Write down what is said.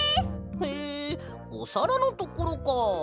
へえおさらのところか。